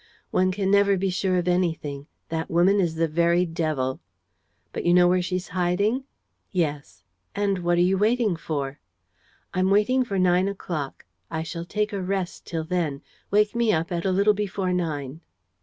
"One can never be sure of anything. That woman is the very devil." "But you know where she's hiding?" "Yes." "And what are you waiting for?" "I'm waiting for nine o'clock. I shall take a rest till then. Wake me up at a little before nine."